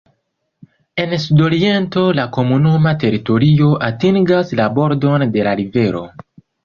En sudoriento la komunuma teritorio atingas la bordon de la rivero.